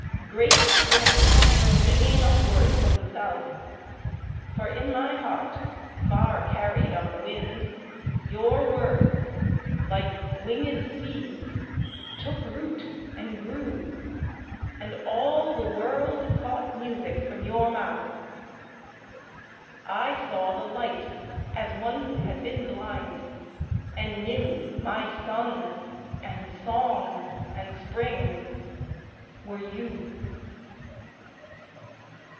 Great spring came singing upward from the south; For in my heart, far carried on the wind, Your words like winged seeds took root and grew, And all the world caught music from your mouth; I saw the light as one who had been blind, And knew my sun and song and spring were you.